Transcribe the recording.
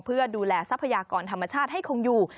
เพื่อดูแลทรัพยากรธรรมชาติให้คงอยู่